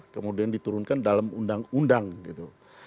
kemudian diturunkan dalam undang undang gitu